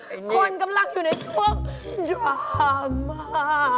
อ้าวเฮ้ยเฮ้ยเฮ้ยคนกำลังอยู่ในช่วงดราม่า